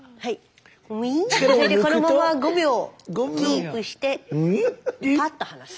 それでこのまま５秒キープしてパッと離す。